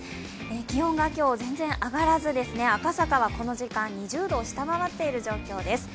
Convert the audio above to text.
気温が今日、全然上がらず赤坂はこの時間、２０度を下回っている状況です。